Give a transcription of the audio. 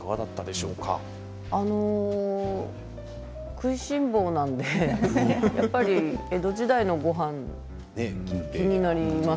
食いしん坊なのでやっぱり江戸時代のごはん気になります。